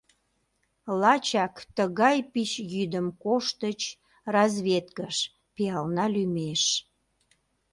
Лачак тыгай пич йӱдым коштыч Разведкыш пиална лӱмеш!